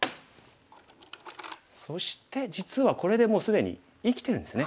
そして実はこれでもう既に生きてるんですね。